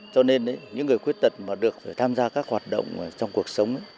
cho nên những người khuyết tật mà được tham gia các hoạt động trong cuộc sống